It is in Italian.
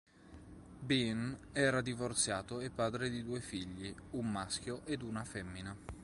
Bean era divorziato e padre di due figli: un maschio ed una femmina.